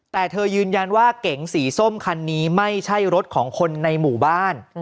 แต่เธอยืนยันว่าเก๋งสีส้มคันนี้ไม่ใช่รถของคนในหมู่บ้าน